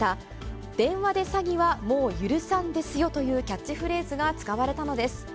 詐欺はもう許さんですよというキャッチフレーズが使われたのです。